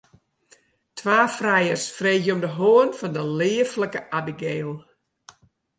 Twa frijers freegje om de hân fan de leaflike Abigail.